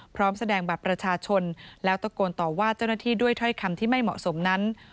พร้อมแสดงบัตรประชาชนแล้วตะโกนต่อว่าเจ้าหน้าที่ด้วยถ้อยคำที่ไม่เหมาะสมนั้น